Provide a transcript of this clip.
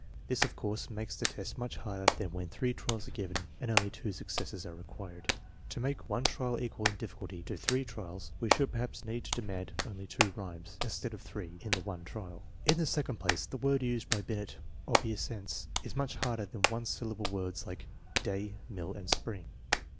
This, of course, makes the test much harder than when three trials are given and only two successes are required. To make one trial equal in difficulty to three trials we should perhaps need to demand only two rhymes, instead of three, in the one trial. In the second place, the word used by Binet (obeissance) is much harder than one syllable words like day, mill, and spring.